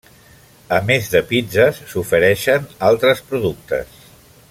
A més de pizzes, s'ofereixen altres productes.